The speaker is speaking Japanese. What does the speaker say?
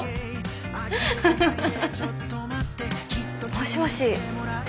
もしもし。